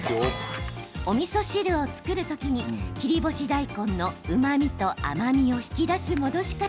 おみそ汁を作る時に切り干し大根のうまみと甘みを引き出す戻し方